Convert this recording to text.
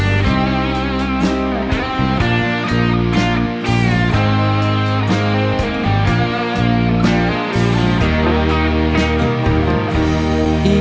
ให้รอรอบนี้